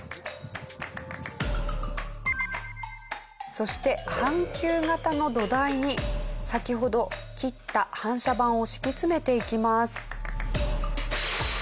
そして半球形の土台に先ほど切った反射板を敷き詰めていきます。